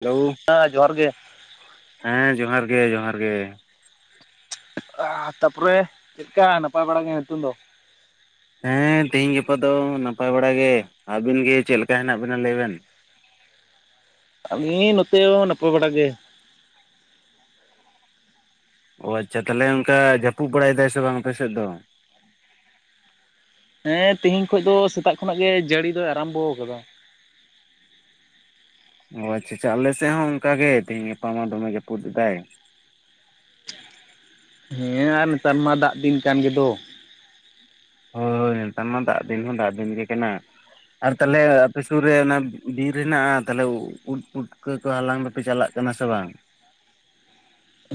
Hello, ᱦᱮᱸ ᱡᱚᱦᱟᱨ ᱜᱮ ᱦᱮᱸ ᱡᱚᱦᱟᱨ ᱜᱮ ᱡᱚᱦᱟᱨ ᱜᱮ ᱟ ᱛᱟᱯᱚᱨᱮ ᱪᱮᱫ ᱞᱮᱠᱟ ᱱᱟᱯᱟᱭ ᱵᱟᱲᱟ ᱜᱮ ᱦᱤᱛᱩᱝ ᱫᱚ? ᱦᱮᱸ, ᱛᱤᱦᱮᱧ ᱜᱟᱯᱟ ᱫᱚ ᱱᱟᱯᱟᱭ ᱵᱟᱲᱟ ᱜᱮ, ᱟᱵᱤᱱ ᱜᱮ ᱪᱮᱫ ᱞᱮᱠᱟ ᱦᱮᱱᱟᱜ ᱵᱤᱱᱟ ᱞᱟᱹᱭ ᱵᱮᱱ? ᱟᱹᱞᱤᱧ ᱱᱚᱛᱮ ᱦᱚᱸ ᱱᱟᱯᱟᱭ ᱵᱟᱲᱟ ᱜᱮ, ᱚ ᱟᱪᱪᱷᱟ, ᱛᱟᱦᱚᱞᱮ ᱚᱝᱠᱟ ᱡᱟᱹᱯᱩᱫ ᱵᱟᱲᱟᱭᱮᱫᱟᱭ ᱥᱮ ᱵᱟᱝ ᱟᱯᱮ ᱥᱮᱫ ᱫᱚ? ᱦᱮᱸ, ᱛᱤᱦᱤᱧ ᱠᱷᱚᱡ ᱫᱚ ᱥᱮᱛᱟᱜ ᱠᱷᱚᱱᱟᱜ ᱜᱮ ᱡᱟᱹᱲᱤ ᱫᱚᱭ ᱟᱨᱟᱢᱵᱚ ᱟᱠᱟᱫᱟ ᱾ ᱚ ᱟᱪᱪᱷᱟ ᱟᱪᱪᱷᱟ, ᱟᱞᱮ ᱥᱮᱫ ᱦᱚᱸ ᱚᱝᱠᱟᱜ ᱜᱮ ᱛᱮᱦᱤᱧ ᱜᱟᱯᱟ ᱢᱟ ᱫᱚᱢᱮ ᱡᱟᱹᱯᱩᱫ ᱮᱫᱟᱭ ᱾ ᱦᱮᱸ, ᱟᱨ ᱱᱮᱛᱟᱨ ᱢᱟ ᱫᱟᱜ ᱫᱤᱱ ᱠᱟᱱ ᱜᱮ ᱫᱚ ᱾ ᱦᱳᱭ, ᱱᱮᱛᱟᱨ ᱢᱟ ᱫᱟᱜ ᱫᱤᱱ ᱦᱚᱸ ᱫᱟᱜ ᱫᱤᱱ ᱜᱮ ᱠᱟᱱᱟ ᱾ ᱟᱨ ᱛᱟᱦᱚᱞᱮ ᱟᱯᱮ ᱥᱩᱨ ᱨᱮ ᱚᱱᱮ ᱵᱤᱨ ᱦᱮᱱᱟᱜ-ᱟ ᱛᱟᱦᱚᱞᱮ ᱩᱫ ᱯᱩᱴᱠᱟᱹ ᱠᱚ ᱦᱟᱞᱟᱝ ᱵᱟᱯᱮ ᱪᱟᱞᱟᱜ? ᱠᱟᱱᱟ ᱥᱮ ᱵᱟᱝ?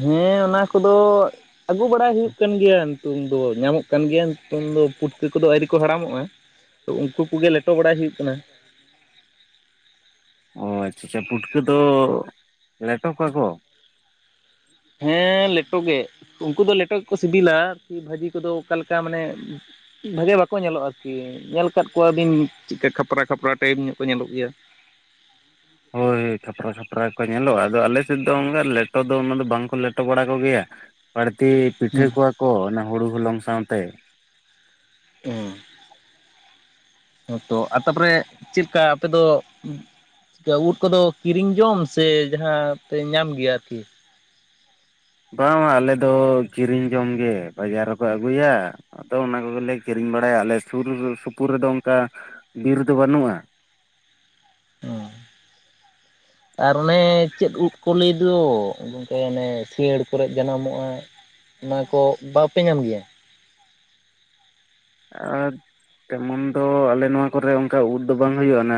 ᱦᱮᱸ, ᱚᱱᱟ ᱠᱚ ᱫᱚ ᱟᱹᱜᱩ ᱵᱟᱲᱟᱭ ᱦᱩᱭᱩᱜ ᱠᱟᱱ ᱜᱮᱭᱟ ᱾ ᱛᱩᱧ ᱫᱚ ᱧᱟᱢᱚᱜ ᱠᱟᱱ ᱜᱮᱭᱟ ᱱᱤᱛᱩᱧ ᱫᱚ ᱯᱩᱴᱠᱟᱹ ᱠᱚ ᱫᱚ ᱟᱹᱣᱨᱤ ᱠᱚ ᱦᱟᱲᱟᱢᱚᱜᱼᱟ ᱾ ᱛᱚ ᱩᱱᱠᱩ ᱠᱚ ᱜᱮ ᱞᱮᱴᱚ ᱵᱟᱲᱟᱭ ᱦᱩᱭᱩᱜ ᱠᱟᱱᱟ ᱾ ᱚ ᱟᱪᱪᱷᱟ ᱟᱪᱪᱷᱟ, ᱯᱩᱴᱠᱟᱹ ᱫᱚ ᱞᱮᱴᱚ ᱠᱚᱣᱟ ᱠᱚ ᱦᱮᱸ, ᱞᱮᱴᱚ ᱜᱮ ᱩᱱᱠᱩ ᱫᱚ ᱞᱮᱴᱚ ᱜᱮ ᱠᱚ ᱥᱤᱵᱤᱞᱟ ᱟᱨᱠᱤ ᱵᱷᱟᱹᱡᱤ ᱠᱚ ᱫᱚ ᱚᱠᱟᱞᱮᱠᱟ ᱢᱟᱱᱮ ᱵᱷᱟᱜᱮ ᱵᱟᱠᱚ ᱧᱮᱞᱚᱜᱼᱟ ᱟᱨᱠᱤ ᱧᱮᱞ ᱟᱠᱟᱫ ᱠᱚᱣᱟ ᱵᱤᱱ ᱪᱮᱫᱠᱟ ᱠᱷᱟᱯᱨᱟ ᱠᱷᱟᱯᱨᱟ ᱴᱟᱭᱤᱯ ᱧᱚᱜ ᱠᱚ ᱧᱮᱞᱚᱜ ᱜᱮᱭᱟ ᱾ ᱦᱳᱭ ᱦᱳᱭ ᱠᱟᱷᱯᱨᱟ ᱠᱷᱟᱯᱨᱟ ᱜᱮ ᱠᱚ ᱧᱮᱞᱚᱜᱼᱟ ᱟᱫᱚ ᱟᱞᱮ ᱥᱮᱫ ᱫᱚ ᱚᱝᱠᱟ ᱞᱮᱴᱚ ᱫᱚ ᱩᱱᱟᱹ ᱫᱚ ᱵᱟᱝᱠᱚ ᱞᱮᱴᱚ ᱵᱟᱲᱟ ᱠᱚ ᱜᱮᱭᱟ᱾ ᱵᱟᱹᱲᱛᱤ ᱯᱤᱴᱷᱟᱹ ᱦᱮᱸ ᱠᱚᱣᱟ ᱠᱚ ᱚᱱᱟ ᱦᱳᱲᱳ ᱦᱚᱞᱚᱝ ᱥᱟᱶᱛᱮ [unintelligible] ᱦᱚᱸ ᱛᱚ ᱟᱨ ᱛᱟᱨᱯᱚᱨᱮ ᱪᱤᱞᱠᱟ ᱟᱯᱮ ᱫᱚ ᱪᱤᱠᱟ. ᱩᱫ ᱠᱚ ᱫᱚ ᱠᱤᱨᱤᱧ ᱡᱚᱢ ᱥᱮ ᱡᱟᱦᱟᱸ ᱯᱮ ᱧᱟᱢ ᱜᱮᱭᱟ ᱟᱨᱠᱤ? ᱵᱟᱝ ᱵᱟᱝ ᱟᱞᱮ ᱫᱚ ᱠᱤᱨᱤᱧ ᱡᱚᱢ ᱜᱮ ᱵᱟᱡᱟᱨ ᱨᱮᱠᱚ ᱟᱹᱜᱩᱭᱟ ᱟᱫᱚ ᱚᱱᱟ ᱠᱚ ᱜᱮᱞᱮ ᱠᱤᱨᱤᱧ ᱵᱟᱲᱟᱭᱟ ᱟᱞᱮ ᱥᱩᱨ ᱥᱩᱯᱩᱨ ᱨᱮ ᱫᱚ ᱚᱝᱠᱟ ᱵᱤᱨ ᱫᱚ ᱵᱟᱹᱱᱩᱜᱼᱟ ᱾ ᱦᱮᱸ [unintelligible] ᱟᱨ ᱚᱱᱮ ᱪᱮᱫ ᱩᱫ ᱠᱚ ᱞᱟᱹᱭ ᱫᱚ ᱜᱚᱢᱠᱮ ᱚᱱᱮ ᱥᱤᱭᱟᱹᱲ ᱠᱚᱨᱮᱜ ᱡᱟᱱᱟᱢᱚᱜᱼᱟ? ᱚᱱᱟ ᱠᱚ ᱵᱟᱯᱮ ᱧᱟᱢ ᱜᱮᱭᱟ? ᱟᱨ ᱛᱮᱢᱚᱱ ᱫᱚ ᱟᱞᱮ ᱱᱚᱣᱟ ᱠᱚ ᱨᱮ ᱚᱝᱠᱟ ᱩᱫ ᱫᱚ ᱵᱟᱝ ᱦᱩᱭᱩᱜ-ᱟ ᱚᱱᱮ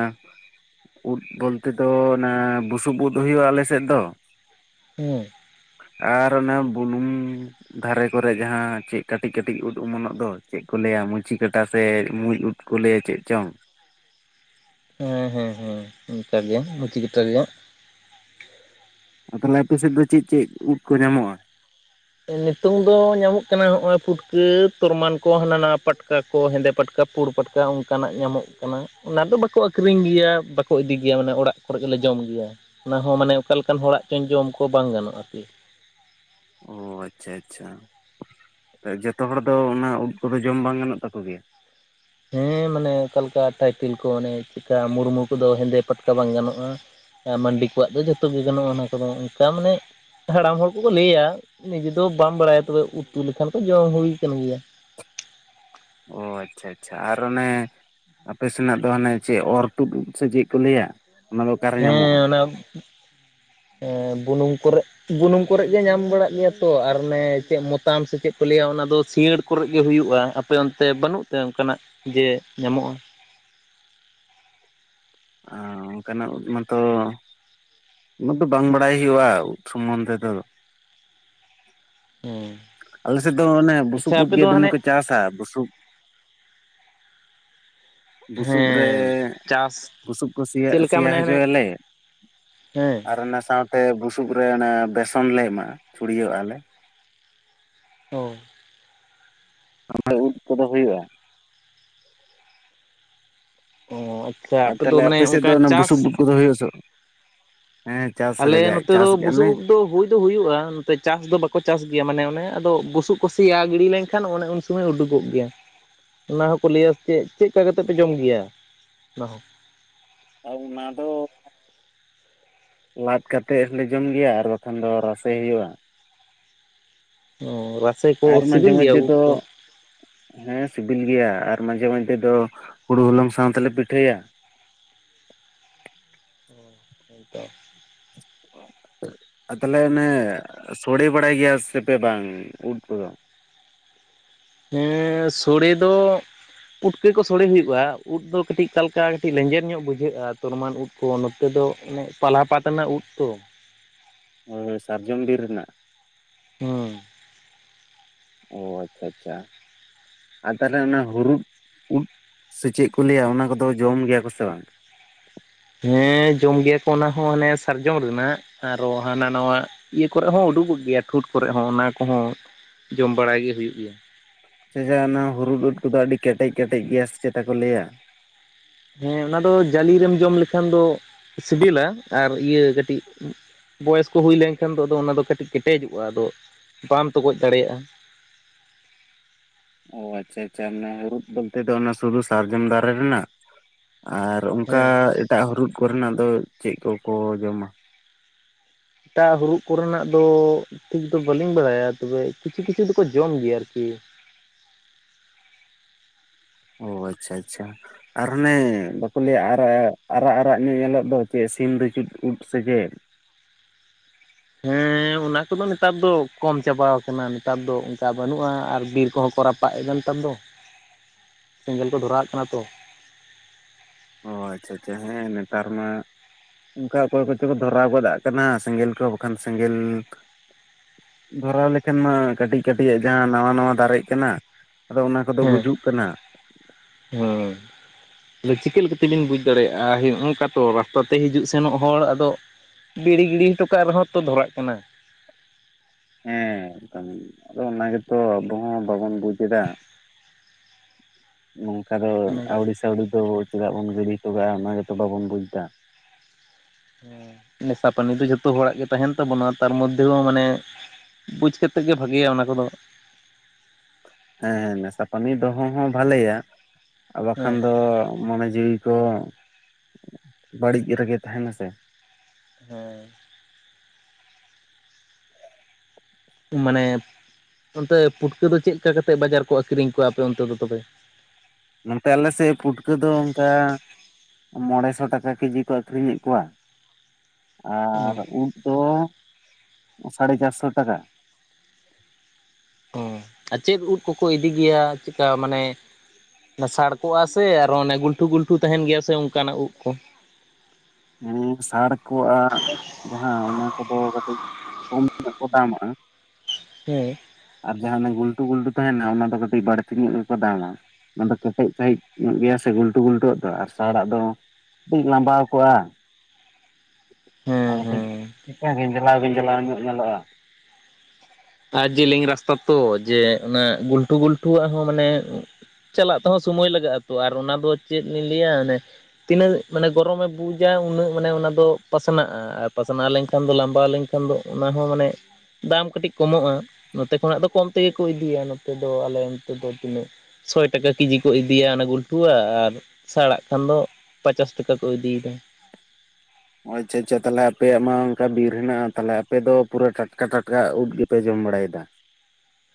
ᱩᱫ ᱵᱚᱞᱛᱮ ᱫᱚ ᱚᱱᱟ ᱵᱩᱥᱩᱵ ᱩᱫ ᱦᱩᱭᱩᱜᱼᱟ ᱟᱞᱮ ᱥᱮᱫ ᱫᱚ, ᱦᱩᱸ, ᱟᱨ ᱚᱱᱮ ᱵᱩᱞᱩᱝᱢ, ᱫᱷᱟᱨᱮ ᱠᱚᱨᱮ ᱡᱟᱦᱟᱸ ᱪᱮᱫ ᱠᱟᱹᱴᱤᱡ ᱠᱟᱹᱴᱤᱡ ᱩᱫ ᱚᱢᱚᱱᱚᱜ ᱫᱚ ᱪᱮᱫ? ᱠᱚ ᱞᱟᱹᱭᱟ ᱢᱩᱪᱤ ᱠᱟᱴᱟ ᱥᱮ ᱢᱩᱸᱡ ᱩᱫ ᱠᱚ ᱞᱟᱹᱭᱟ ᱪᱮᱫ ᱪᱚᱝ? ᱦᱮᱸ ᱦᱮᱸ ᱦᱮᱸ, ᱚᱝᱠᱟ ᱜᱮ ᱢᱩᱪᱤᱠᱟᱴᱟ ᱜᱮ ᱾ ᱟᱨ ᱛᱟᱦᱚᱞᱮ ᱟᱯᱮ ᱥᱮᱫ ᱫᱚ ᱪᱮᱫ ᱪᱮᱫ ᱩᱫ ᱠᱚ ᱧᱟᱢᱚᱜᱼᱟ? ᱱᱤᱛᱚᱝ ᱫᱚ ᱧᱟᱢᱚᱜ ᱠᱟᱱᱟ ᱦᱚᱜᱼᱚᱭ ᱯᱷᱩᱴᱠᱟᱹ ᱛᱚᱨᱢᱟᱱ ᱠᱚ ᱦᱟᱱᱟ ᱱᱟᱣᱟ ᱯᱟᱴ ᱠᱟ ᱠᱚ ᱦᱮᱸᱫᱮ ᱯᱟᱴᱠᱟ ᱯᱩᱸᱲ ᱯᱟᱴᱠᱟ ᱚᱝᱠᱟᱱᱟᱜ ᱧᱟᱢᱚᱜ ᱠᱟᱱᱟ ᱾ ᱚᱱᱟ ᱫᱚ ᱵᱟᱠᱚ ᱟᱹᱠᱷᱨᱤᱧ ᱜᱮᱭᱟ, ᱵᱟᱠᱚ ᱤᱫᱤ ᱜᱮᱭᱟ ᱢᱟᱱᱮ ᱚᱲᱟᱜ ᱠᱚᱨᱮ ᱜᱮᱞᱮ ᱡᱚᱢ ᱜᱮᱭᱟ᱾ ᱚᱱᱟ ᱦᱚᱸ ᱢᱟᱱᱮ ᱚᱠᱟ ᱞᱮᱠᱟᱱ ᱦᱚᱲᱟᱜ ᱪᱚᱝ ᱡᱚᱢ ᱠᱚ ᱵᱟᱝ ᱜᱟᱱᱚᱜ-ᱟ ᱟᱨ ᱠᱤ᱾ ᱚ ᱟᱪᱪᱷᱟ ᱟᱪᱪᱷᱟ, ᱡᱚᱛᱚ ᱦᱚᱲ ᱫᱚ ᱚᱱᱟ ᱩᱫ ᱠᱚᱫᱚ ᱡᱚᱢ ᱵᱟᱝ ᱜᱟᱱᱚᱜ ᱛᱟᱠᱚ ᱜᱮᱭᱟ? ᱦᱮᱸ ᱢᱟᱱᱮ ᱚᱠᱟ ᱞᱮᱠᱟ ᱴᱟᱭᱴᱤᱞ ᱠᱚ ᱚᱱᱮ ᱪᱮᱫᱠᱟ ᱢᱩᱨᱢᱩ ᱠᱚᱫᱚ ᱦᱮᱸᱫᱮ ᱯᱟᱴᱠᱟ ᱵᱟᱝ ᱜᱟᱱᱚᱜ-ᱟ᱾ ᱮ ᱢᱟᱱᱰᱤ ᱠᱚᱣᱟᱜ ᱫᱚ ᱡᱷᱚᱛᱚ ᱜᱮ ᱜᱟᱱᱚᱜ-ᱟ ᱚᱱᱟ ᱠᱚᱫᱚ ᱚᱱᱠᱟ ᱢᱟᱱᱮ᱾ ᱦᱟᱲᱟᱢ ᱦᱚᱲ ᱠᱚᱠᱚ ᱞᱟᱹᱭᱟ ᱱᱤᱡᱮ ᱫᱚ ᱵᱟᱢ ᱵᱟᱲᱟᱭᱟ ᱛᱚᱵᱮ ᱩᱛᱩ ᱞᱮᱠᱷᱟᱱ ᱠᱚ ᱡᱚᱢ ᱦᱩᱭ ᱠᱟᱱ ᱜᱮᱭᱟ᱾ ᱚ ᱟᱪᱪᱷᱟ ᱟᱪᱪᱷᱟ ᱟᱨ ᱚᱱᱮ ᱟᱯᱮ ᱥᱮᱱᱟᱜ ᱫᱚ ᱦᱟᱱᱮ ᱪᱮᱫ ᱚᱨ ᱛᱩᱫ ᱩᱫ ᱥᱮ ᱪᱮᱫ ᱠᱚ ᱞᱟᱹᱭᱟ᱾ ᱚᱱᱟ ᱫᱚ ᱚᱠᱟᱨᱮ ᱦᱮᱸ ᱧᱟᱢᱚᱜᱼᱟ ᱚᱱᱟ ᱮ ᱵᱩᱱᱩᱝ ᱠᱚᱨᱮᱫ ᱵᱩᱱᱩᱢ ᱠᱚᱨᱮᱫ ᱜᱮ ᱧᱟᱢ ᱵᱟᱲᱟᱜ ᱜᱮᱭᱟ ᱛᱚ ᱟᱨ ᱚᱱᱮ ᱪᱮᱫ ᱢᱚᱛᱟᱢ ᱥᱮ ᱪᱮᱫ ᱠᱚ ᱞᱟᱹᱭᱟ ᱚᱱᱟ ᱫᱚ ᱥᱤᱭᱟᱹᱲ ᱠᱚᱨᱮᱫ ᱜᱮ ᱦᱩᱭᱩᱜ-ᱟ ᱟᱯᱮ ᱚᱱᱛᱮ ᱵᱟᱹᱱᱩᱜ ᱛᱮ ᱚᱱᱠᱟᱱᱟᱜ ᱡᱮ ᱧᱟᱢᱚᱜ-ᱟ᱾ ᱚ ᱚᱱᱠᱟᱱᱟᱜ ᱳᱫ ᱢᱟᱛᱚ ᱩᱱᱟᱹᱜ ᱫᱚ ᱵᱟᱝ ᱵᱟᱲᱟᱭ ᱦᱩᱭᱩᱜ-ᱟ ᱳᱫ ᱥᱚᱢᱚᱱᱫᱷᱮ ᱫᱚ᱾ ᱦᱩᱸ᱾ ᱟᱞᱮ ᱥᱮᱫ ᱫᱚ ᱚᱱᱮ ᱵᱩᱥᱩᱯ ᱳᱫ ᱜᱮ ᱫᱚᱢᱮ ᱠᱚ ᱪᱟᱥᱟ ᱵᱩᱥᱩᱯ ᱵᱩᱥᱩᱵ ᱨᱮ, ᱦᱮᱸ ᱪᱟᱥ ᱵᱩᱥᱩᱵ ᱠᱚ ᱥᱮᱭᱟ ᱪᱮᱫ ᱞᱮᱠᱟ ᱥᱮᱭᱟ ᱢᱟᱱᱮ ᱥᱮᱭᱟ ᱦᱟᱱᱮ ᱦᱚᱪᱚᱭᱟᱞᱮ᱾ ᱦᱮᱸ ᱟᱨ ᱚᱱᱟ ᱥᱟᱶᱛᱮ ᱵᱩᱥᱩᱵ ᱨᱮ ᱚᱱᱮ ᱵᱮᱥᱚᱱ ᱞᱮ ᱮᱢᱟᱜ-ᱟ ᱪᱷᱩᱲᱤᱣᱟᱜ-ᱟᱞᱮ᱾ ᱳ ᱢᱟᱱᱮ ᱩᱫ ᱠᱚᱫᱚ ᱦᱳᱭᱳᱜ-ᱟ᱾ ᱚ ᱟᱪ ᱟ ᱛᱟᱦᱚᱸᱞᱮ ᱟᱯᱮ ᱥᱮᱫ ᱫᱚ ᱚᱱᱟ ᱵᱩᱥᱩᱵ ᱩᱫ ᱠᱚᱫᱚ ᱦᱩᱭᱩᱜ ᱟᱥᱮ ᱦᱮᱸ ᱪᱟᱥ ᱟᱞᱮ ᱱᱚᱛᱮ ᱫᱚ ᱪᱟᱥ ᱠᱮᱜᱼᱟ ᱵᱩᱥᱩᱵ ᱞᱮ ᱩᱫ ᱫᱚ ᱦᱩᱭ ᱫᱚ ᱦᱩᱭᱩᱜ-ᱟ ᱱᱚᱛᱮ ᱪᱟᱥ ᱫᱚ ᱵᱟᱠᱚ ᱪᱟᱥ ᱜᱮᱭᱟ ᱢᱟᱱᱮ ᱚᱱᱮ ᱟᱫᱚ ᱵᱩᱥᱩᱵ ᱠᱚ ᱥᱮᱭᱟ ᱜᱤᱲᱤ ᱞᱮᱱᱠᱷᱟᱱ ᱚᱱᱮ ᱩᱱ ᱥᱚᱢ ᱥᱚᱢᱚᱭ ᱩᱰᱩᱠᱚᱜ ᱜᱮᱭᱟ, ᱚᱱᱟ ᱦᱚᱸᱠᱚ ᱞᱟᱹᱭᱟ ᱪᱮᱫ ᱪᱮᱫᱠᱟ ᱠᱟᱛᱮ ᱯᱮ ᱡᱚᱢ ᱜᱮᱭᱟ ᱚᱱᱟ ᱦᱚᱸ᱾ ᱟᱨ ᱚᱱᱟ ᱫᱚ ᱞᱟᱫ ᱠᱟᱛᱮᱫ ᱦᱚᱸ ᱞᱮ ᱡᱚᱢ ᱜᱮᱭᱟ ᱟᱨ ᱵᱟᱠᱷᱟᱱ ᱫᱚ ᱨᱟᱥᱮ ᱦᱳᱭᱳᱜ-ᱟ᱾ ᱚ ᱨᱟᱥᱮ ᱠᱚ ᱟᱨ ᱢᱟᱡᱷᱮ ᱥᱤᱵᱤᱞ ᱜᱮᱭᱟ ᱢᱚᱫᱽᱫᱷᱮ ᱩᱫ ᱫᱚ ᱠᱚ᱾ ᱦᱮᱸ ᱥᱤᱵᱤᱞ ᱜᱮᱭᱟ ᱟᱨ ᱢᱟᱡᱷᱮ ᱢᱟᱡᱷᱮ ᱫᱚ, ᱦᱩᱲᱩ ᱦᱚᱞᱚᱝ ᱥᱟᱶ ᱛᱮᱞᱮ ᱯᱤᱴᱷᱟᱹᱭᱟ᱾ [unintelligible] [unintelligible] ᱟᱨ ᱛᱟᱦᱚᱸᱞᱮ ᱚᱱᱮ ᱥᱳᱲᱮ ᱵᱟᱲᱟᱭ ᱜᱮᱭᱟ ᱥᱮ ᱯᱮ ᱵᱟᱝ ᱩᱫ ᱠᱚᱫᱚ᱾ ᱦᱮᱸ ᱥᱳᱲᱮ ᱫᱚ ᱯᱩᱴᱠᱟᱹ ᱠᱚ ᱥᱳᱲᱮ ᱦᱩᱭᱩᱜ-ᱟ, ᱩᱫ ᱫᱚ ᱠᱟᱹᱴᱤᱡ ᱚᱠᱟ ᱞᱮᱠᱟ ᱠᱟᱹᱴᱤᱡ ᱚᱠᱟ ᱞᱮᱠᱟ ᱞᱮᱸᱡᱮᱨ ᱧᱚᱜ ᱵᱩᱡᱷᱟᱹᱜ-ᱟ ᱛᱚᱨᱢᱟᱞ ᱩᱫ ᱠᱚ ᱱᱚᱛᱮ ᱫᱚ, ᱚᱱᱮ ᱯᱟᱞᱦᱟ ᱯᱟᱛᱱᱟ ᱩᱫ ᱛᱚ᱾ ᱦᱳᱭ ᱥᱟᱨᱡᱚᱢ ᱵᱤᱨ ᱨᱮᱱᱟᱜ᱾ ᱦᱸᱻ᱾ ᱚ ᱟᱪᱪᱷᱟ ᱟᱪᱪᱷᱟ᱾ ᱟᱨ ᱛᱟᱦᱚᱸᱞᱮ ᱚᱱᱟ ᱦᱩᱨᱩᱫ, ᱩᱫ ᱥᱮ ᱪᱮᱫ ᱠᱚ ᱞᱟᱹᱭᱟ ᱚᱱᱟ ᱠᱚᱫᱚ ᱡᱚᱢ ᱜᱮᱭᱟ ᱠᱚ ᱥᱮ ᱵᱟᱝ? ᱦᱮᱸ ᱡᱚᱢ ᱜᱮᱭᱟ ᱠᱚ ᱚᱱᱟ ᱦᱚᱸ ᱦᱟᱱᱮ ᱥᱟᱨᱡᱚᱢ ᱨᱮᱱᱟᱜ, ᱟᱨᱦᱚᱸ ᱦᱟᱱᱟ ᱱᱟᱣᱟ᱾ ᱤᱭᱟᱹ ᱠᱚᱨᱮ ᱦᱚᱸ ᱩᱰᱩᱠᱚᱜ ᱜᱮᱭᱟ ᱴᱷᱩᱸᱴ ᱠᱚᱨᱮ ᱦᱚᱸ ᱚᱱᱟ ᱠᱚᱦᱚᱸ ᱡᱚᱢ ᱵᱟᱲᱟᱭ ᱜᱮ ᱦᱩᱭᱩᱜ ᱜᱮᱭᱟ᱾ ᱟᱪᱪᱷᱟ ᱟᱪᱪᱷᱟ ᱚᱱᱟ ᱦᱩᱨᱩᱫ ᱩᱫ ᱠᱚᱫᱚ ᱟᱹᱰᱤ ᱠᱮᱴᱮᱡ ᱠᱮᱴᱮᱡ ᱜᱮᱭᱟ ᱥᱮ ᱪᱮᱛᱟ ᱠᱚ ᱞᱟᱹᱭᱟ᱾ ᱦᱮᱸ ᱚᱱᱟ ᱫᱚ ᱡᱟᱹᱞᱤ ᱨᱮᱢ ᱡᱚᱢ ᱞᱮᱠᱷᱟᱱ ᱫᱚ ᱥᱤᱵᱤᱞᱟ ᱟᱨ ᱤᱭᱟᱹ ᱠᱟᱹᱴᱤᱡ᱾ ᱵᱚᱭᱮᱥ ᱠᱚ ᱦᱩᱭ ᱞᱮᱱᱠᱷᱟᱱ ᱫᱚ ᱟᱫᱚ ᱚᱱᱟᱫᱚ ᱠᱟᱹᱴᱤᱡ ᱠᱮᱴᱮᱡᱚᱜ-ᱟ, ᱟᱫᱚ ᱵᱟᱢ ᱛᱚᱜᱚᱡ ᱫᱟᱲᱮᱭᱟᱜ-ᱟ᱾ ᱚ ᱟᱪᱪᱷᱟ ᱟᱪᱪᱷᱟ ᱚᱱᱮ ᱦᱩᱨᱩᱫ ᱵᱚᱞᱛᱮ ᱫᱚ ᱚᱱᱟ ᱥᱩᱫᱷᱩ ᱥᱟᱨᱡᱚᱢ ᱫᱟᱨᱮ ᱨᱮᱱᱟᱜ᱾ ᱟᱨ ᱟᱫᱚ ᱚᱱᱠᱟ ᱦᱮᱸ ᱮᱴᱟᱜ ᱦᱩᱨᱩᱫ ᱠᱚᱨᱮᱱᱟᱜ ᱫᱚ ᱪᱮᱫ ᱠᱚᱠᱚ ᱡᱚᱢᱟ᱾ ᱮᱴᱟᱜ ᱦᱩᱲᱩᱜ ᱠᱚᱨᱮᱱᱟᱜ ᱫᱚ, ᱴᱷᱤᱠ ᱫᱚ ᱵᱟᱹᱞᱤᱧ ᱵᱟᱲᱟᱭᱟ ᱛᱚᱵᱮ ᱠᱤᱪᱷᱩ ᱠᱤᱪᱷᱩ ᱫᱚᱠᱚ ᱡᱚᱢ ᱜᱮᱭᱟ ᱟᱨᱠᱤ᱾ ᱚ ᱟᱪᱪᱷᱟ ᱟᱪᱪᱷᱟ᱾ ᱟᱨ ᱚᱱᱮ ᱵᱟᱠᱚ ᱞᱟᱹᱭᱟ ᱟᱨᱟᱜ, ᱟᱨᱟᱜ-ᱟᱨᱟᱜ ᱧᱚᱜ ᱧᱮᱞᱚᱜ ᱫᱚ᱾ ᱪᱮᱫ ᱥᱤᱢ ᱫᱩᱪᱩᱫ ᱩᱫ ᱥᱮ ᱪᱮᱫ? ᱦᱮᱸᱻ ᱦᱮᱸ ᱚᱱᱟ ᱠᱚᱫᱚ ᱱᱮᱛᱟᱨ ᱫᱚ ᱠᱚᱢ ᱪᱟᱵᱟᱣ ᱠᱟᱱᱟ ᱱᱮᱛᱟᱨ ᱫᱚ ᱚᱱᱠᱟ ᱵᱟᱹᱱᱩᱜ-ᱟ ᱟᱨ ᱵᱤᱨ ᱠᱚᱦᱚᱸ ᱠᱚ ᱨᱟᱯᱟᱜ ᱮᱫᱟ ᱱᱮᱛᱟᱨ ᱫᱚ᱾ [inaudible] ᱥᱮᱸᱜᱮᱞ ᱠᱚ ᱫᱷᱚᱨᱟᱣᱮᱜ ᱠᱟᱱᱟ ᱛᱚ᱾ ᱚ ᱟᱪᱪᱷᱟ ᱟᱪᱪᱷᱟ, ᱦᱮᱸ ᱱᱮᱛᱟᱨ ᱢᱟ ᱚᱱᱠᱟ ᱚᱠᱚᱭ ᱠᱚᱪᱚ ᱠᱚ ᱫᱷᱚᱨᱟᱣ ᱜᱚᱫᱟᱜ ᱠᱟᱱᱟ ᱥᱮᱸᱜᱮᱞ ᱠᱚ ᱵᱟᱠᱷᱟᱱ ᱥᱮᱸᱜᱮᱞ ᱫᱷᱚᱨᱟᱣ ᱞᱮᱠᱷᱟᱱ ᱢᱟ ᱠᱟᱹᱴᱤᱡ ᱠᱟᱹᱴᱤᱡᱟᱜ ᱡᱟᱦᱟᱸ ᱱᱟᱶᱟ ᱱᱟᱶᱟ ᱫᱟᱨᱮᱜ ᱠᱟᱱᱟ, ᱟᱫᱚ ᱚᱱᱟ ᱠᱚᱫᱚ ᱜᱩᱡᱩᱜ ᱠᱟᱱᱟ᱾ ᱦᱩᱸᱻ ᱟᱫᱚ ᱪᱤᱠᱟᱹ ᱞᱮᱠᱟ ᱛᱮᱞᱤᱧ ᱵᱩᱡᱽ ᱫᱟᱲᱮᱭᱟᱜ-ᱟ ᱱᱚᱝᱠᱟ ᱛᱚ ᱨᱟᱥᱛᱟ ᱛᱮ ᱦᱤᱡᱩᱜ ᱥᱮᱱᱚᱜ ᱦᱚᱲ, ᱟᱫᱚ ᱵᱤᱲᱤ ᱜᱤᱲᱤᱜ ᱦᱚᱴᱚ ᱠᱟᱜ ᱨᱮᱦᱚᱸ ᱛᱚ ᱫᱷᱚᱨᱟᱜ ᱠᱟᱱᱟ᱾ ᱦᱮᱸ ᱟᱫᱚ ᱚᱱᱟ ᱜᱮᱛᱚ ᱟᱵᱚ ᱦᱚᱸ ᱵᱟᱵᱚᱱ ᱵᱩᱡᱽ ᱮᱫᱟ᱾ ᱱᱚᱝᱠᱟ ᱫᱚ ᱚᱱᱟᱜᱮ ᱟᱹᱣᱲᱤ ᱥᱟᱹᱣᱲᱤ ᱫᱚ ᱪᱮᱫᱟᱜ ᱵᱚᱱ ᱜᱤᱰᱤ ᱦᱚᱴᱚ ᱠᱟᱜ-ᱟ ᱚᱱᱟ ᱜᱮᱛᱚ ᱵᱟᱵᱚᱱ ᱵᱩᱡᱽ ᱮᱫᱟ᱾ ᱦᱮᱸ ᱱᱮᱥᱟ ᱯᱟᱹᱱᱤ ᱫᱚ ᱡᱷᱚᱛᱚ ᱦᱚᱲᱟᱜ ᱜᱮ ᱛᱟᱦᱮᱸᱱ ᱛᱟᱵᱚᱱᱟ ᱛᱟᱨ ᱢᱚᱫᱽᱫᱷᱮ ᱦᱚᱸ ᱢᱟᱱᱮ ᱵᱩᱡᱽ ᱠᱟᱛᱮᱫ ᱜᱮ ᱵᱷᱟᱜᱮᱭᱟ ᱚᱱᱟ ᱠᱚᱫᱚ᱾ ᱦᱮᱸ ᱱᱮᱥᱟ ᱯᱟᱹᱱᱤ ᱫᱚᱦᱚ ᱦᱚᱸ ᱵᱷᱟᱞᱮᱭᱟ, ᱟᱨ ᱦᱮᱸ ᱵᱟᱠᱷᱟᱱ ᱫᱚ ᱢᱚᱱᱮ ᱡᱤᱣᱤ ᱠᱚ [inaudible] ᱵᱟᱹᱲᱤᱡ ᱨᱮᱜᱮ ᱛᱟᱦᱮᱸᱱᱟ ᱥᱮ᱾ ᱦᱮᱸ ᱢᱟᱱᱮ ᱚᱱᱛᱮ ᱯᱩᱴᱠᱟᱹ ᱫᱚ ᱪᱮᱫ ᱞᱮᱠᱟ ᱠᱟᱛᱮᱫ ᱵᱟᱡᱟᱨ ᱠᱚ ᱟᱹᱠᱷᱨᱤᱧ ᱠᱚᱣᱟ ᱟᱯᱮ ᱚᱱᱛᱮ ᱫᱚ ᱛᱚᱵᱮ᱾ ᱱᱚᱱᱛᱮ ᱟᱞᱮ ᱥᱮᱫ ᱯᱩᱴᱠᱟᱹ ᱫᱚ ᱚᱱᱠᱟ ᱢᱚᱲᱮᱥᱚ ᱴᱟᱠᱟ ᱠᱮᱡᱤ ᱠᱚ ᱟᱠᱷᱨᱤᱧ ᱮᱫ ᱠᱚᱣᱟ᱾ ᱟᱨ ᱩᱫ ᱫᱚ ᱥᱟᱲᱮ ᱪᱟᱨᱥᱚ ᱴᱟᱠᱟ᱾ ᱚᱻ ᱟᱨ ᱪᱮᱫ ᱩᱫ ᱠᱚᱠᱚ ᱤᱫᱤ ᱜᱮᱭᱟ ᱪᱮᱠᱟ ᱢᱟᱱᱮ ᱥᱟᱲᱠᱚᱜ-ᱟ ᱥᱮ ᱟᱨᱚ ᱚᱱᱮ ᱜᱩᱞᱴᱩ-ᱜᱩᱞᱴᱩ ᱛᱟᱦᱮᱱ ᱜᱮᱭᱟ ᱥᱮ ᱚᱱᱠᱟᱱᱟᱜ ᱩᱫ ᱠᱚ᱾ ᱦᱩᱸᱜ ᱥᱟᱲ ᱠᱚᱜ-ᱟᱨ ᱡᱟᱦᱟᱸ ᱚᱱᱟ ᱠᱚᱫᱚ ᱠᱟᱹᱴᱤᱡ ᱠᱚᱢ [inaudible] ᱫᱟᱢᱟᱜ-ᱟ ᱦᱮᱸ ᱟᱨ ᱡᱟᱦᱟᱸ ᱚᱱᱮ ᱜᱩᱞᱴᱩ-ᱜᱩᱞᱴᱩ ᱛᱟᱦᱮᱸᱱᱟ ᱚᱱᱟ ᱫᱚ ᱠᱟᱹᱴᱤᱡ ᱵᱟᱹᱲᱛᱤ ᱧᱚᱜ ᱜᱮᱠᱚ ᱫᱟᱢᱟ᱾ ᱚᱱᱟ ᱫᱚ ᱠᱮᱴᱮᱡ ᱥᱟᱺᱦᱤᱡ ᱧᱚᱜ ᱜᱮᱭᱟ ᱥᱮ ᱜᱩᱞᱴᱟᱹ ᱜᱩᱞᱴᱟᱹᱣᱟᱜ ᱫᱚ ᱟᱨ ᱥᱟᱲᱟᱜ ᱫᱚ ᱠᱟᱹᱡ ᱞᱟᱸᱵᱟᱣ ᱠᱚᱜ-ᱟ ᱦᱮᱸ ᱦᱮᱸ [inaudible] ᱠᱮᱴᱮᱡ ᱜᱮᱸᱡᱽᱞᱟᱣ ᱜᱮᱸᱡᱽᱞᱟᱣ ᱧᱚᱜ ᱧᱮᱞᱚᱜ-ᱟ᱾ ᱟ ᱡᱮᱞᱮᱧ ᱨᱟᱥᱛᱟ ᱛᱚ ᱡᱮ ᱚᱱᱟ ᱜᱩᱞᱴᱩ ᱜᱩᱞᱴᱩᱣᱟᱜ ᱟᱨᱦᱚᱸ ᱢᱟᱱᱮ ᱪᱟᱞᱟᱜ ᱛᱮᱦᱚᱸ ᱥᱚᱢᱚᱭ ᱞᱟᱜᱟᱜ ᱟᱛᱚ ᱟᱨ ᱚᱱᱟᱫᱚ ᱪᱮᱫ ᱞᱤᱧ ᱞᱟᱹᱭᱟ ᱚᱱᱮ ᱛᱤᱱᱟᱹᱜ ᱢᱟᱱᱮ ᱜᱚᱨᱚᱢᱮᱢ ᱵᱩᱡᱟ ᱩᱱᱟᱹᱜ ᱢᱟᱱᱮ ᱚᱱᱟ ᱫᱚ ᱯᱟᱥᱱᱟᱜ-ᱟ ᱟᱨ ᱯᱟᱥᱱᱟᱣ ᱞᱮᱱᱠᱷᱟᱱ ᱫᱚ ᱞᱟᱢᱵᱟᱣ ᱞᱮᱱ ᱛᱚᱱᱫᱚ ᱚᱱᱟ ᱦᱚᱸ ᱢᱟᱱᱮ, ᱫᱟᱢ ᱠᱟᱹᱴᱤᱡ ᱠᱚᱢᱚᱜ-ᱟ ᱱᱚᱛᱮ ᱠᱷᱚᱱᱟᱜ ᱫᱚ ᱠᱚᱢ ᱛᱮᱜᱮ ᱠᱚ ᱤᱫᱤᱭᱟ ᱱᱚᱛᱮ ᱫᱚ᱾ ᱟᱞᱮ ᱱᱚᱛᱮ ᱫᱚ ᱛᱤᱱᱟᱹᱜ? ᱥᱳᱭ ᱴᱟᱠᱟ ᱠᱮᱡᱤ ᱠᱚ ᱤᱫᱤᱭᱟ ᱚᱱᱟ ᱜᱩᱞᱴᱩᱣᱟᱜ, ᱟᱨ ᱥᱟᱲᱟᱜ ᱠᱷᱟᱱ ᱫᱚ ᱯᱟᱪᱟᱥ ᱴᱟᱠᱟ ᱠᱚ ᱤᱫᱤᱭᱫᱟ᱾ ᱚ ᱟᱪᱪᱷᱟ ᱟᱪᱪᱷᱟ ᱛᱟᱦᱞᱮ ᱟᱯᱮᱭᱟᱜ ᱢᱟ ᱚᱱᱠᱟ ᱵᱤᱨ ᱦᱮᱱᱟᱜ-ᱟ ᱛᱟᱦᱞᱮ ᱟᱯᱮ ᱫᱚ ᱯᱩᱨᱟᱹ ᱴᱟᱴᱠᱟ ᱴᱟᱴᱠᱟ ᱩᱫ ᱜᱮᱯᱮ ᱡᱚᱢ ᱵᱟᱲᱟᱭᱫᱟ᱾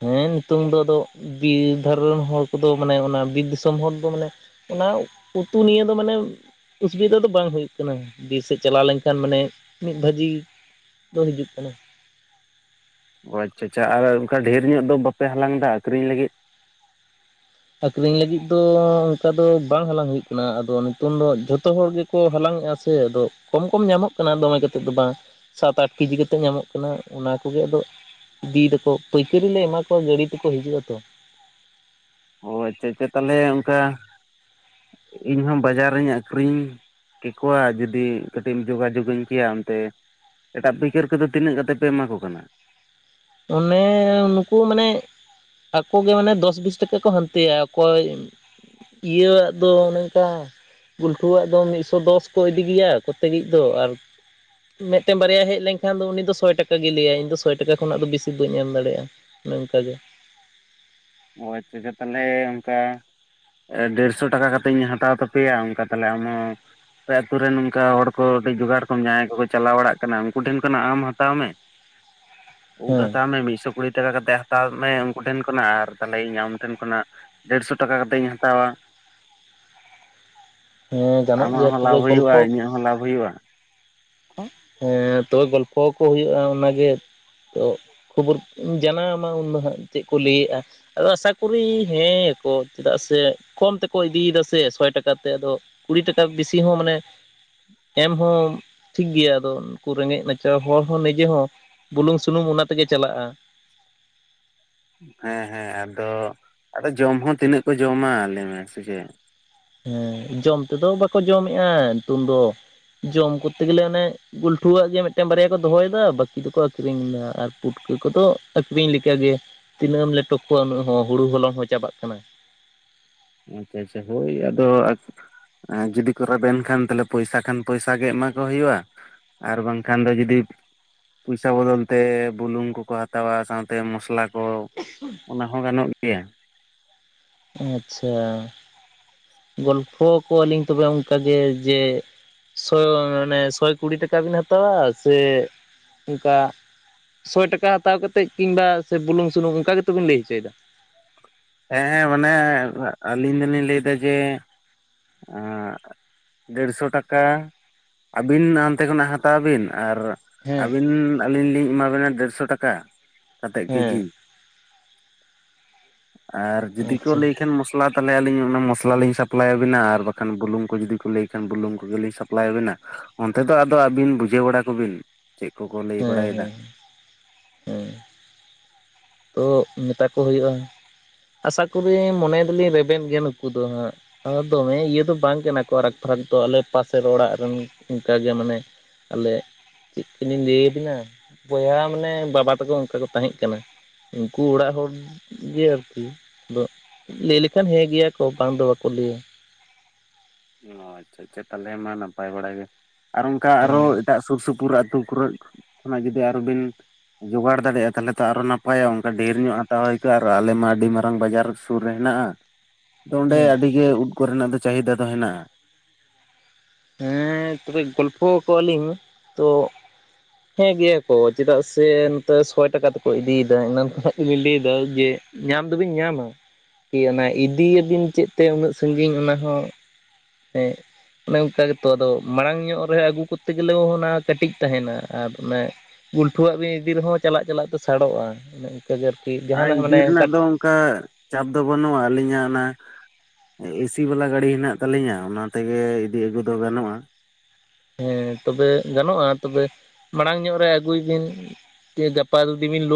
ᱦᱮᱸ ᱱᱤᱛᱳᱝ ᱫᱚ ᱟᱫᱚ ᱵᱤᱨ ᱫᱷᱟᱨᱮ ᱨᱮᱱ ᱦᱚᱲ ᱠᱚᱫᱚ ᱢᱟᱱᱮ ᱚᱱᱟ ᱵᱤᱨ ᱫᱤᱥᱚᱢ ᱦᱚᱲ ᱫᱚ ᱢᱟᱱᱮ ᱚᱱᱟ ᱩᱛᱩ ᱱᱤᱭᱟᱹ ᱫᱚ ᱢᱟᱱᱮ ᱩᱥᱵᱤᱫᱟ ᱫᱚ ᱵᱟᱝ ᱦᱳᱭᱳᱜ ᱠᱟᱱᱟ ᱵᱤᱨ ᱥᱮᱫ ᱪᱟᱞᱟᱣ ᱞᱮᱱᱠᱷᱟᱱ ᱢᱟᱱᱮ ᱵᱷᱟᱹᱡᱤ ᱫᱚ ᱦᱤᱡᱩᱜ ᱠᱟᱱᱟ᱾ ᱚ ᱟᱪᱪᱷᱟ ᱟᱪᱪᱷᱟ ᱟᱨ ᱚᱱᱠᱟ ᱫᱷᱮᱨ ᱧᱚᱜ ᱫᱚ ᱵᱟᱯᱮ ᱦᱟᱞᱟᱝ ᱫᱟ ᱟᱠᱷᱨᱤᱧ ᱞᱟᱹᱜᱤᱫ? ᱟᱠᱠᱷᱨᱤᱧ ᱞᱟᱹᱜᱤᱫ ᱫᱚ ᱚᱱᱠᱟ ᱫᱚ ᱵᱟᱝ ᱦᱟᱞᱟᱝ ᱦᱩᱭᱩᱜ ᱠᱟᱱᱟ ᱟᱫᱚ ᱱᱤᱛᱚᱝ ᱫᱚ ᱡᱷᱚᱛᱚ ᱦᱚᱲ ᱜᱮ ᱠᱚ ᱦᱟᱞᱟᱝᱮᱜᱼᱟ ᱥᱮ ᱟᱫᱚ ᱠᱚᱢ ᱠᱚᱢ ᱧᱟᱢᱚᱜ ᱠᱟᱱᱟ ᱫᱚᱢᱮ ᱠᱟᱛᱮᱫ ᱫᱚ ᱵᱟᱝ᱾ ᱥᱟᱛ ᱟᱴ ᱠᱤᱡᱤ ᱠᱟᱛᱮᱜ ᱧᱟᱢᱚᱜ ᱠᱟᱱᱟ ᱚᱱᱟ ᱠᱚᱜᱮ ᱟᱫᱚ ᱤᱫᱤᱭ ᱫᱟᱠᱚ ᱯᱟᱹᱭᱠᱟᱹᱨᱤ ᱞᱮ ᱮᱢᱟ ᱠᱚᱣᱟ ᱜᱟᱹᱲᱤ ᱛᱮᱠᱚ ᱦᱤᱡᱩᱜ-ᱟ ᱛᱚ᱾ ᱚ ᱟᱪᱪᱷᱟ ᱟᱪᱪᱷᱟ ᱛᱟᱞᱦᱮ ᱚᱝᱠᱟ ᱤᱧᱦᱚᱸ ᱵᱟᱡᱟᱨᱤᱧ ᱟᱹᱠᱷᱨᱤᱧ ᱠᱮᱠᱚᱣᱟ ᱡᱩᱫᱤ ᱠᱟᱹᱴᱤᱡ ᱮᱢ ᱡᱳᱜᱟᱡᱳᱜᱽᱟᱹᱧ ᱠᱮᱭᱟ ᱚᱱᱛᱮ ᱮᱴᱟᱜ ᱯᱟᱹᱭᱠᱟᱹᱨ ᱠᱚᱫᱚ ᱛᱤᱱᱟᱹᱜ ᱠᱟᱛᱮ ᱯᱮ ᱮᱢᱟ ᱠᱚ ᱠᱟᱱᱟ? ᱚᱱᱮ ᱱᱩᱠᱩ ᱢᱟᱱᱮ ᱟᱠᱚ ᱜᱮ ᱢᱟᱱᱮ ᱫᱚᱥ ᱵᱤᱥ ᱴᱟᱠᱟ ᱠᱚ ᱦᱟᱸᱱᱛᱮᱭᱟ ᱚᱠᱚᱭ ᱤᱭᱟᱹᱣᱟᱜ ᱫᱚ ᱚᱱᱮ ᱚᱝᱠᱟ ᱜᱩᱞᱴᱩᱣᱟᱜ ᱫᱚ ᱢᱤᱜᱥᱚ ᱫᱚᱥ ᱠᱚ ᱤᱫᱤ ᱜᱮᱭᱟ ᱠᱚᱛᱮᱜᱤᱡ ᱫᱚ ᱟᱨ ᱢᱮᱜᱴᱮᱱ ᱵᱟᱨᱭᱟ ᱦᱮᱡ ᱞᱮᱱᱠᱷᱟᱱ ᱫᱚ ᱩᱱᱤ ᱫᱚ ᱥᱚᱭ ᱴᱟᱠᱟ ᱜᱮᱭ ᱞᱟᱹᱭᱟᱭ ᱤᱧ ᱫᱚ ᱥᱚᱭ ᱴᱟᱠᱟ ᱠᱷᱚᱱᱟᱜ ᱫᱚ ᱵᱮᱥᱤ ᱵᱟᱹᱧ ᱮᱢ ᱫᱟᱲᱮᱜ-ᱟ ᱚᱱᱮ ᱚᱱᱠᱟ ᱜᱮ᱾ ᱚ ᱟᱪᱪᱷᱟ ᱪᱷᱟ, ᱛᱟᱞᱦᱮ ᱚᱝᱠᱟ ᱮ ᱰᱮᱲᱥᱚ ᱴᱟᱠᱟ ᱠᱟᱛᱮᱧ ᱦᱟᱛᱟᱣ ᱛᱟᱯᱮᱭᱟ ᱚᱱᱠᱟ ᱛᱟᱦᱚᱞᱮ ᱟᱢ ᱦᱚᱸ ᱟᱯᱮ ᱟᱛᱩ ᱨᱮᱱ ᱱᱚᱝᱠᱟ ᱦᱚᱲ ᱠᱚ ᱠᱟᱹᱴᱤᱡ ᱡᱚᱜᱟᱲ ᱠᱚᱢ ᱡᱟᱦᱟᱸᱭ ᱠᱚᱠᱚ ᱪᱟᱞᱟᱣ ᱵᱟᱲᱟᱜ ᱠᱟᱱᱟ ᱩᱱᱠᱩ ᱴᱷᱮᱱ ᱠᱷᱚᱱᱟᱜ ᱟᱢ ᱦᱟᱛᱟᱣ ᱢᱮ, ᱩᱫᱽ ᱦᱮᱸ ᱦᱟᱛᱟᱣ ᱢᱮ ᱢᱤᱜᱥᱚ ᱠᱩᱲᱤ ᱴᱟᱠᱟ ᱠᱟᱛᱮᱫ ᱦᱟᱛᱟᱣ ᱢᱮ ᱩᱱᱠᱩ ᱴᱷᱮᱱ ᱠᱷᱚᱱᱟᱜ ᱟᱨ ᱛᱟᱞᱦᱮ ᱤᱧ ᱟᱢ ᱴᱷᱮᱱ ᱠᱷᱚᱱᱟᱜ ᱰᱮᱲᱥᱚ ᱴᱟᱠᱟ ᱠᱟᱛᱮᱧ ᱦᱟᱛᱟᱣᱟ᱾ ᱦᱮᱸ ᱜᱟᱱᱚᱜ ᱟᱢᱟᱜ ᱜᱮᱭᱟ ᱦᱚᱸ ᱞᱟᱵᱷ ᱛᱚᱵᱮ ᱦᱩᱭᱩᱜ-ᱟ ᱜᱚᱞᱯᱷᱚ ᱤᱧᱟᱹᱜ ᱦᱚᱸ ᱞᱟᱵᱷ ᱦᱩᱭᱩᱜ-ᱟ᱾ ᱦᱮᱸ ᱛᱚ ᱜᱚᱞᱯᱷᱚ ᱟᱠᱚ ᱦᱩᱭᱩᱜ-ᱟ ᱚᱱᱟᱜᱮ ᱛᱚ ᱠᱷᱚᱵᱚᱨ ᱡᱟᱱᱟᱣ ᱟᱢᱟ ᱩᱱᱫᱚ ᱦᱟᱸᱜ ᱪᱮᱫ ᱠᱚ ᱞᱟᱹᱭᱮᱜ-ᱟ᱾ ᱟᱫᱚ ᱟᱥᱟ ᱠᱚᱨᱤ ᱦᱮᱸᱭᱟᱠᱚ ᱪᱮᱫᱟᱜ ᱥᱮ ᱠᱚᱢ ᱛᱮᱠᱚ ᱤᱫᱤᱭᱫᱟ ᱥᱮ ᱥᱚᱭ ᱴᱟᱠᱟ ᱛᱮ ᱟᱫᱚ ᱠᱩᱲᱤ ᱴᱟᱠᱟ ᱵᱮᱥᱤ ᱦᱚᱸ ᱢᱟᱱᱮ ᱮᱢ ᱦᱚᱸ ᱴᱷᱤᱠ ᱜᱮᱭᱟ ᱟᱫᱚ ᱩᱱᱠᱩ ᱨᱮᱸᱜᱮᱡ ᱱᱟᱪᱟᱨ ᱦᱚᱲ ᱦᱚᱸ ᱱᱤᱡᱮ ᱦᱚᱸ ᱵᱩᱞᱩᱝ ᱥᱩᱱᱩᱢ ᱚᱱᱟ ᱛᱮᱜᱮ ᱪᱟᱞᱟᱜ-ᱟ᱾ ᱦᱮᱸ ᱦᱮᱸ ᱟᱫᱚ ᱟᱫᱚ ᱡᱚᱢ ᱦᱚᱸ ᱛᱤᱱᱟᱹᱜ ᱠᱚ ᱡᱚᱢᱟ ᱞᱟᱹᱭᱢᱮ ᱥᱮᱪᱮᱫ? ᱦᱮᱸ ᱡᱚᱢ ᱛᱮᱫᱚ ᱵᱟᱠᱚ ᱡᱚᱢᱮᱜ-ᱟ ᱱᱤᱛᱳᱝ ᱫᱚ ᱡᱚᱢ ᱠᱚᱨᱛᱮ ᱜᱮᱞᱮ ᱚᱱᱮ ᱜᱩᱞᱴᱷᱩᱣᱟᱜ ᱜᱮ ᱢᱤᱫᱴᱮᱱ ᱵᱟᱨᱭᱟ ᱠᱚ ᱫᱚᱦᱚᱭᱫᱟ ᱵᱟᱹᱠᱤ ᱫᱚᱠᱚ ᱟᱠᱷᱨᱤᱧᱮᱫᱟ, ᱟᱨ ᱯᱩᱴᱠᱟᱹ ᱠᱚᱫᱚ ᱟᱠᱷᱨᱤᱧ ᱞᱮᱠᱟᱜ ᱜᱮ᱾ ᱛᱤᱱᱟᱹᱜ ᱮᱢ ᱞᱮᱴᱚ ᱠᱚᱣᱟ ᱩᱱᱟᱹᱜ ᱦᱚᱸ ᱦᱩᱲᱩ ᱦᱚᱞᱚᱝ ᱦᱚᱸ ᱪᱟᱵᱟᱜ ᱠᱟᱱᱟ᱾ ᱟᱪᱪᱷᱟ ᱟᱪᱪᱷᱟ ᱦᱳᱭ ᱟᱫᱚ ᱟᱠᱷ ᱟ ᱡᱩᱫᱤ ᱠᱚ ᱨᱮᱵᱮᱱ ᱠᱷᱟᱱ ᱛᱟᱞᱦᱮ ᱯᱚᱭᱥᱟ ᱠᱷᱟᱱ ᱯᱚᱭᱥᱟ ᱜᱮ ᱮᱢᱟ ᱠᱚ ᱦᱩᱭᱩᱜᱼᱟ᱾ ᱟᱨ ᱵᱟᱝᱠᱷᱟᱱ ᱫᱚ ᱡᱩᱫᱤ ᱯᱚᱭᱥᱟ ᱵᱚᱫᱚᱞ ᱛᱮ ᱵᱩᱞᱩᱝ ᱠᱚᱠᱚ ᱦᱟᱛᱟᱣᱟ ᱥᱟᱶᱛᱮ ᱢᱚᱥᱞᱟ ᱠᱚ ᱚᱱᱟ ᱦᱚᱸ ᱜᱟᱱᱚᱜ ᱜᱮᱭᱟ᱾ ᱟᱪᱪᱷᱟ᱾ ᱜᱚᱞᱯᱷ ᱟᱠᱚᱣᱟᱞᱤᱧ ᱛᱚᱵᱮ ᱚᱝᱠᱟᱜᱮ ᱡᱮ ᱡᱮ ᱥᱚᱭ ᱢᱟᱱᱮ ᱥᱚᱭ ᱠᱩᱲᱤ ᱴᱟᱠᱟ ᱵᱤᱱ ᱦᱟᱛᱟᱣᱟ ᱥᱮ ᱚᱱᱠᱟ ᱥᱚᱭ ᱴᱟᱠᱟ ᱦᱟᱛᱟᱣ ᱠᱟᱛᱮᱫ ᱠᱤᱝᱵᱟ ᱥᱮ ᱵᱩᱞᱩᱝ ᱥᱩᱱᱩᱢ ᱚᱱᱠᱟ ᱜᱮᱛᱚᱵᱤᱱ ᱞᱟᱹᱭ ᱦᱚᱪᱚᱭᱫᱟ? ᱦᱮᱸ ᱢᱟᱱᱮ ᱟᱹᱞᱤᱧ ᱫᱚᱞᱤᱧ ᱞᱟᱹᱭ ᱫᱟ ᱡᱮ ᱟᱜ ᱰᱮᱲᱥᱚ ᱴᱟᱠᱟ ᱟᱹᱵᱤᱱ ᱚᱱᱛᱮ ᱠᱷᱚᱱᱟᱜ ᱦᱟᱛᱟᱣ ᱵᱤᱱ ᱟᱨ ᱦᱮᱸ ᱟᱹᱵᱤᱱ ᱟᱹᱞᱤᱧ ᱞᱤᱧ ᱮᱢᱟᱵᱤᱱᱟ ᱰᱮᱲᱥᱚ ᱴᱟᱠᱟ ᱠᱟᱛᱮᱫ ᱠᱮᱡᱤ᱾ ᱦᱮᱸ ᱟᱨ ᱡᱩᱫᱤ ᱠᱚ ᱟᱪᱪᱷᱟ ᱞᱟᱹᱭ ᱠᱷᱟᱱ ᱢᱚᱥᱞᱟ ᱛᱟᱦᱚᱞᱮ ᱟᱹᱞᱤᱧ ᱚᱱᱟ ᱢᱚᱥᱞᱟ ᱞᱤᱧ ᱥᱟᱯᱞᱟᱭᱟ᱾ ᱟᱵᱤᱱᱟ ᱟᱨ ᱵᱟᱠᱷᱟᱱ ᱵᱩᱞᱩᱝ ᱠᱚ ᱡᱩᱫᱤ ᱠᱚ ᱞᱟᱹᱭ ᱠᱷᱟᱱ ᱵᱩᱞᱝ ᱠᱚᱜᱮᱞᱤ ᱥᱟᱯᱞᱟᱭ ᱟᱵᱮᱱᱟ᱾ ᱚᱱᱛᱮ ᱫᱚ ᱟᱫᱚ ᱟᱹᱵᱤᱱ ᱵᱩᱡᱷᱟᱹᱣ ᱵᱟᱲᱟ ᱠᱚᱵᱤᱱ ᱪᱮᱫ ᱠᱚᱠᱚ ᱞᱟᱹᱭ ᱦᱮᱸ ᱵᱟᱲᱟᱭᱫᱟ᱾ ᱦᱮᱸ ᱦᱮᱸ ᱛᱚ ᱢᱮᱛᱟ ᱠᱚ ᱦᱩᱭᱩᱜᱼᱟ, ᱟᱥᱟ ᱠᱚᱨᱤ ᱢᱚᱱᱮᱭ ᱫᱟᱞᱤᱧ ᱨᱮᱵᱮᱱ ᱜᱮ ᱱᱩᱠᱩ ᱫᱚ ᱦᱟᱸᱜ᱾ ᱫᱚᱢᱮ ᱤᱭᱟᱹ ᱫᱚ ᱵᱟᱝ ᱠᱟᱱᱟ ᱠᱚ ᱯᱷᱟᱨᱟᱠ ᱯᱷᱟᱨᱟᱠ ᱫᱚ ᱟᱞᱮ ᱯᱟᱥᱮᱨ ᱚᱲᱟᱜ ᱨᱮᱱ ᱚᱱᱠᱟᱜᱮ ᱢᱟᱱᱮ ᱟᱞᱮ ᱪᱮᱫ ᱠᱟᱞᱤᱧ ᱞᱟᱹᱭᱟᱵᱤᱱᱟ ᱵᱚᱭᱦᱟ ᱢᱟᱱᱮ ᱵᱟᱵᱟ ᱛᱟᱠᱚ ᱚᱱᱠᱟ ᱠᱚ ᱛᱟᱦᱮᱸᱜ ᱠᱟᱱᱟ᱾ ᱩᱱᱠᱩ ᱚᱲᱟᱜ ᱦᱚᱲ ᱜᱮ ᱟᱨᱠᱤ ᱟᱫᱚ ᱞᱟᱹᱭ ᱞᱮᱠᱷᱟᱱ ᱦᱮᱸ ᱜᱮᱭᱟ ᱠᱚ ᱵᱟᱝ ᱫᱚ ᱵᱟᱠᱚ ᱞᱟᱹᱭᱟ᱾ ᱚ ᱟᱪᱪᱷᱟ ᱟᱪᱪᱷᱟ ᱛᱟᱦᱚᱞᱮ ᱢᱟ ᱱᱟᱯᱟᱭ ᱵᱟᱲᱟᱭ ᱜᱮ ᱟᱨ ᱚᱱᱠᱟ ᱟᱨᱚ ᱦᱮᱸ ᱮᱴᱟᱜ ᱥᱩᱨ ᱥᱩᱯᱩᱨ ᱟᱹᱛᱩ ᱠᱚᱨᱮᱜ ᱚᱱᱟ ᱡᱩᱫᱤ ᱟᱨᱚᱵᱤᱱ ᱡᱚᱜᱟᱲ ᱫᱟᱲᱮᱭᱟᱜᱼᱟ ᱛᱟᱦᱚᱞᱮ ᱛᱚ ᱟᱨᱚ ᱱᱟᱯᱟᱭᱚᱜ-ᱟ ᱚᱱᱠᱟ ᱰᱷᱮᱨ ᱧᱚᱜ ᱦᱟᱛᱟᱣ ᱦᱩᱭ ᱠᱚᱜᱼᱟ ᱟᱨ ᱟᱞᱮᱢᱟ ᱟᱹᱰᱤ ᱢᱟᱨᱟᱝ ᱵᱟᱡᱟᱨ ᱥᱩᱨ ᱨᱮ ᱦᱮᱱᱟᱜᱼᱟ᱾ ᱟᱫᱚ ᱚᱸᱰᱮ ᱦᱮᱸ ᱟᱹᱰᱤ ᱜᱮ ᱩᱫ ᱠᱚᱨᱮᱱᱟᱜ ᱫᱚ ᱪᱟᱹᱦᱤᱫᱟ ᱫᱚ ᱦᱮᱱᱟᱜᱼᱟ᱾ ᱦᱮᱸ ᱛᱚᱵᱮ ᱜᱚᱞᱯᱷᱚ ᱟᱠᱚᱣᱟᱞᱤᱧ ᱛᱚ ᱦᱮᱸ ᱜᱮᱭᱟ ᱠᱚ ᱪᱮᱫᱟᱜ ᱥᱮ ᱱᱚᱛᱮ ᱥᱚᱭ ᱴᱟᱠᱟ ᱛᱮᱠᱚ ᱤᱫᱤᱭᱮᱫᱟ ᱤᱱᱟᱱ ᱠᱷᱱᱟᱜ ᱜᱮᱞᱤᱧ ᱞᱟᱹᱭᱮᱫᱟ ᱡᱮ ᱧᱟᱢ ᱫᱚᱵᱤᱱ ᱧᱟᱢᱟ ᱠᱤ ᱚᱱᱟ ᱤᱫᱤᱭᱟᱤᱭᱟᱵᱤᱱ ᱪᱮᱫ ᱛᱮ ᱩᱱᱟᱹᱜ ᱥᱟᱺᱜᱤᱧ ᱚᱱᱟ ᱦᱚᱸ ᱦᱮᱸ ᱚᱱᱮ ᱚᱱᱠᱟ ᱜᱮᱛᱚ ᱟᱫᱚ ᱢᱟᱲᱟᱝ ᱧᱚᱜ ᱨᱮ ᱟᱹᱜᱩ ᱠᱚᱨᱛᱮ ᱜᱮᱞᱮ ᱦᱚᱸ ᱚᱱᱟ ᱠᱟᱹᱴᱤᱡ ᱛᱟᱦᱮᱱᱟ ᱟᱨ ᱚᱱᱮ ᱜᱩᱞᱴᱩᱣᱟᱜ ᱵᱤᱱ ᱤᱫᱤ ᱨᱮᱦᱚᱸ ᱪᱟᱞᱟᱜ ᱪᱟᱞᱟᱜ ᱛᱮ ᱥᱟᱲᱚᱜᱼᱟ ᱚᱱᱮ ᱚᱱᱠᱟ ᱜᱮ ᱟᱨᱠᱤ ᱟᱨ ᱡᱟᱦᱟᱱᱟᱜ ᱤᱫᱤ ᱢᱟᱱᱮ ᱚᱱᱠᱟ ᱨᱮᱱᱟᱜ ᱫᱚ ᱚᱱᱠᱟ ᱪᱟᱯ ᱫᱚ ᱵᱟᱹᱱᱩᱜᱼᱟ, ᱟᱹᱞᱤᱧᱟᱜ ᱚᱱᱟ ᱮᱥᱤ ᱵᱟᱞᱟ ᱜᱟᱹᱲᱤ ᱦᱮᱱᱟᱜ ᱛᱟᱞᱤᱧᱟ ᱚᱱᱟ ᱛᱮᱜᱮ ᱤᱫᱤ ᱟᱹᱜᱩ ᱫᱚ ᱜᱟᱱᱚᱜᱼᱟ᱾ ᱦᱮᱸ ᱛᱚᱵᱮ ᱜᱟᱱᱚᱜᱼᱟ ᱛᱚᱵᱮ ᱢᱟᱲᱟᱝ ᱧᱚᱜ ᱨᱮ ᱟᱹᱜᱩᱭ ᱵᱤᱱ᱾ ᱡᱮ ᱜᱟᱯᱟ ᱡᱩᱫᱤ ᱱᱤᱱ ᱞᱳ